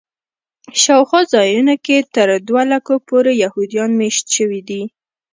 شاوخوا ځایونو کې تر دوه لکو پورې یهودان میشت شوي دي.